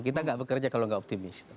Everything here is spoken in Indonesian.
kita nggak bekerja kalau nggak optimis